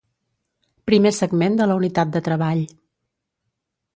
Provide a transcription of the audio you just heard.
Primer segment de la unitat de treball.